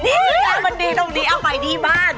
นี่ไงมันดีตรงนี้เอาไปที่บ้าน